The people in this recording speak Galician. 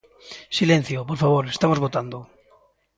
Silencio, por favor, estamos votando.